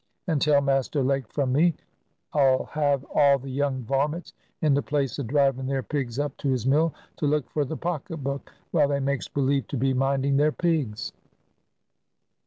And tell Master Lake from me, 'll have all the young varments in the place a driving their pigs up to his mill, to look for the pocket book, while they makes believe to be minding their pigs."